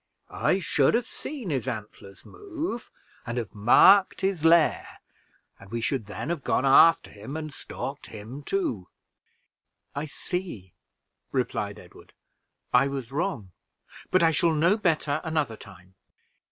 I should have seen his antlers move and have marked his lair, and we should then have gone after him and stalked him too." "I see," replied Edward, "I was wrong; but I shall know better another time."